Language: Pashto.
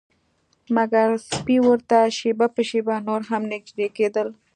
مګر سپي ورته شیبه په شیبه نور هم نږدې کیدل